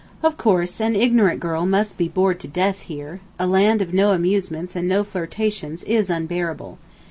Of course an ignorant girl must be bored to death here—a land of no amusements and no flirtation is unbearable.